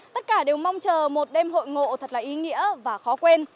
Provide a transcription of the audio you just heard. tất cả đều mong chờ một đêm hội ngộ thật là ý nghĩa và khó quên